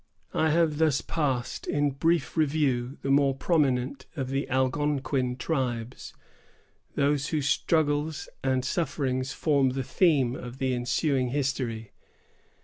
I have thus passed in brief review the more prominent of the Algonquin tribes; those whose struggles and sufferings form the theme of the ensuing History.